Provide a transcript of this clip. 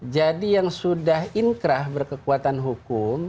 jadi yang sudah inkrah berkekuatan hukum